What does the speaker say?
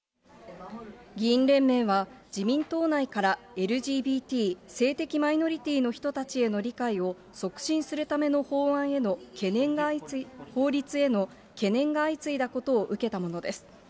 議員連盟は、自民党内からＬＧＢＴ・性的マイノリティーの人たちへの理解を促進するための法律への懸念が相次いだことを受けたものです。